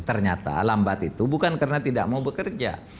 ternyata lambat itu bukan karena tidak mau bekerja